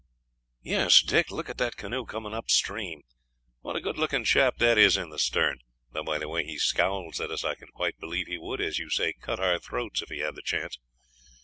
"Yes, Dick. Look at that canoe coming up stream; what a good looking chap that is in the stern, though by the way he scowls at us I can quite believe he would, as you say, cut our throats if he had the chance.